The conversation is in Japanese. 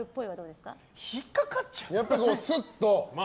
すっと。